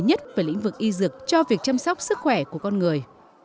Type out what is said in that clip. nhất về lĩnh vực y dược cho việc chăm sóc sức khỏe của con người